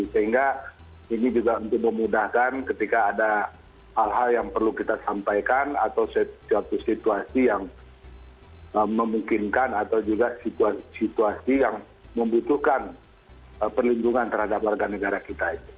sehingga ini juga untuk memudahkan ketika ada hal hal yang perlu kita sampaikan atau suatu situasi yang memungkinkan atau juga situasi yang membutuhkan perlindungan terhadap warga negara kita ini